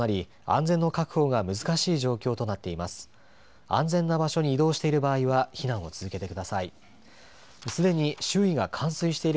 安全な場所に移動している場合は避難を続けてください。